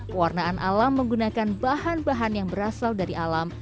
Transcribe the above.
pewarnaan alam menggunakan bahan bahan yang berasal dari alam